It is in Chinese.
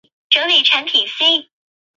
隆吻海蠋鱼的图片